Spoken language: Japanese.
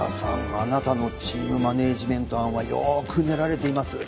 あなたのチームマネジメント案はよく練られています。